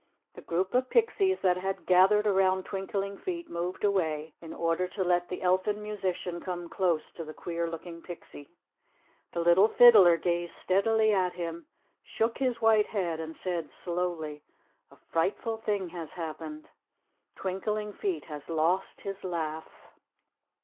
The group of pixies that had gathered around Twinkling Feet moved away in order to let the elfin musician come close to the queer looking pixie. The little Fiddler gazed steadily at him, shook his white head, and said slowly, "A frightful thing has happened. Twinkling Feet has lost his laugh!"